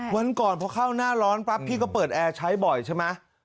วันก่อนพอเข้าหน้าร้อนปั๊บพี่ก็เปิดแอร์ใช้บ่อยใช่ไหม